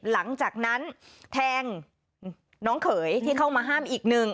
หลังจากนั้นแทงน้องเขยที่เข้ามาห้ามอีกหนึ่ง